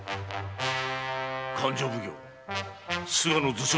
勘定奉行・菅野図書